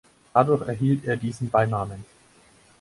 Dadurch erhielt er diesen Beinamen.